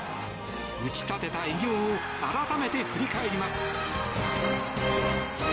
打ち立てた偉業を改めて振り返ります。